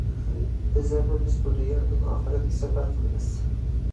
بىز ھەممىمىز بۇ دۇنيادىن ئاخىرەتكە سەپەر قىلىمىز.